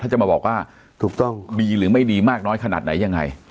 ถ้าจะมาบอกว่าถูกต้องดีหรือไม่ดีมากน้อยขนาดไหนยังไง